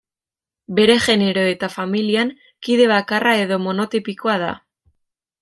Bere genero eta familian kide bakarra edo monotipikoa da.